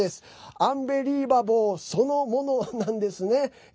アンビリーバボーそのものなんですね。